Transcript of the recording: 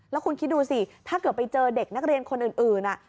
แล้วคุณคิดดูสิถ้าเกิดไปเจอเด็กนักเรียนคนอื่น